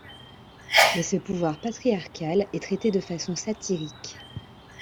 Mais ce pouvoir patriarcal est traité de façon satirique.